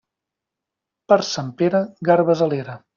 Per Sant Pere, garbes a l'era.